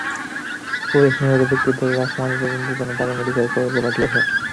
Police নিহত ব্যক্তিদের লাশ ময়নাতদন্তের জন্য ঢাকা মেডিকেল কলেজ মর্গে পাঠিয়েছে।